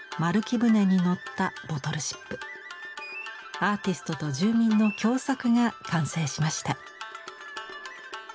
アーティストと住民の共作が完成しました。